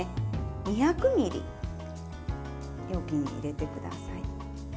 ２００ミリ容器に入れてください。